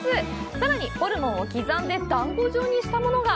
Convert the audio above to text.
さらに、ホルモンを刻んで団子状にしたものが！